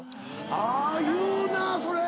あ言うなぁそれ。